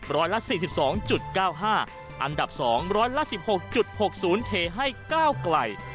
ร้อยละสี่สิบสองจุดเก้าห้าอันดับสองร้อยละสิบหกจุดหกศูนย์เทให้เก้าไกล